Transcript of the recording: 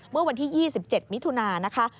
เมื่อวันที่๒๗มิถุนานะคะ